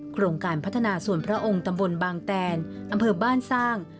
โครงการพัฒนาส่วนพระองค์ตำบลบางแตนอำเภอบ้านสร้าง